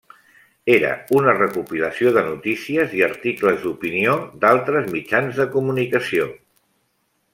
Era una recopilació de notícies i articles d'opinió d'altres mitjans de comunicació.